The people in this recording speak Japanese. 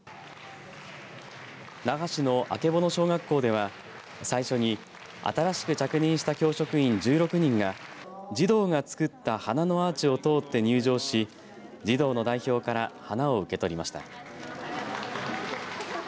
那覇市の曙小学校では最初に新しく着任した教職員１６人が児童が作った花のアーチを通って入場し児童の代表から花を受け取りました。